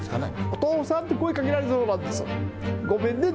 お父さんって声をかけられそうなんです。